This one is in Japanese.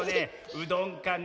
うどんかね